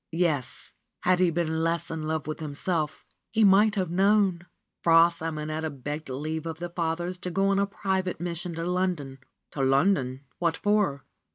Yes, had he been less in love with himself, he might have known! Fra Simonetta begged leave of the fathers to go on a private mission to London. To London, what for?